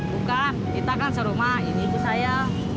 bukan kita kan serumah ini ibu saya